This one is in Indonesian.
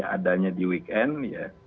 adanya di weekend ya